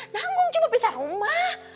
banggung cuma pisah rumah